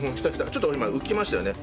ちょっと今浮きましたよね。